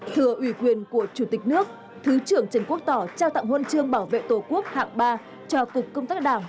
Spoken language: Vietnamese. thừa ủy quyền của chủ tịch nước thứ trưởng trần quốc tỏ trao tặng huân chương bảo vệ tổ quốc hạng ba cho cục công tác đảng